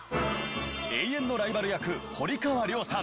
永遠のライバル役堀川りょうさん。